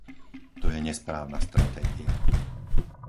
To je nesprávna stratégia.